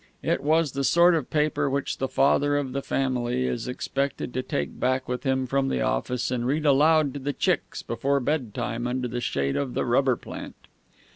It was the sort of paper which the father of the family is expected to take back with him from the office and read aloud to the chicks before bedtime under the shade of the rubber plant.